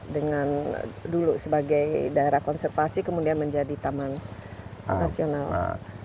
dengan dulu sebagai daerah konservasi kemudian menjadi taman nasional